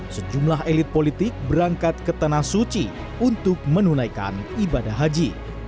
sejumlah elit politik berangkat ke tanah suci untuk menunaikan ibadah haji